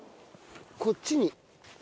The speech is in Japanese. こっちに。